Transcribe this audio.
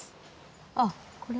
あっこれ？